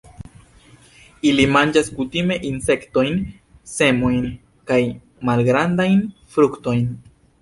Ili manĝas kutime insektojn, semojn kaj malgrandajn fruktojn.